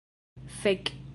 Fek'!